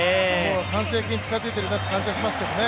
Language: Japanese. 完成形に近づいているなという感じがしますけどね。